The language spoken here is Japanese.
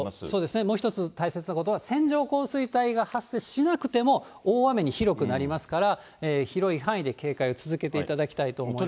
あと、もう一つ大切なことは、線状降水帯が発生しなくても、大雨に広くなりますから、広い範囲で警戒を続けていただきたいと思いますね。